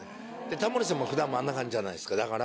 タモリさんも普段もあんな感じじゃないですか。